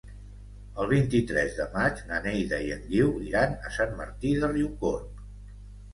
El vint-i-tres de maig na Neida i en Guiu iran a Sant Martí de Riucorb.